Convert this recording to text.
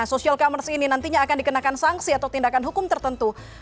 social commerce ini nantinya akan dikenakan sanksi atau tindakan hukum tertentu